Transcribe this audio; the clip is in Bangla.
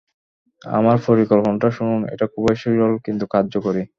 আমার পরিকল্পনাটা শুনুন, এটা খুবই সরল কিন্তু কার্যকরী।